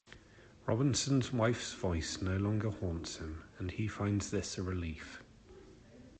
Robinson's wife's voice no longer haunts him, and he finds this a relief.